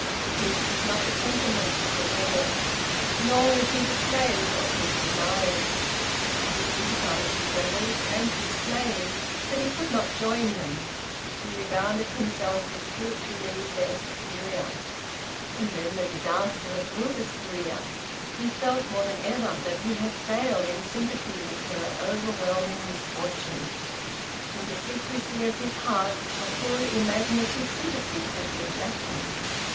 His was not the temperament of a rebel, nor was he the slave of his desires. He could sympathise with rebels and with slaves, but he could not join them; he regarded himself as spiritually their superior. And then the disaster of Hilda's career! He felt, more than ever, that he had failed in sympathy with her overwhelming misfortune. In the secrecy of his heart a full imaginative sympathy had been lacking.